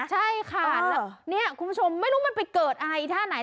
ใช่ค่ะคุณผู้ชมไม่รู้มันไปเกิดอะไรอีกท่าไหน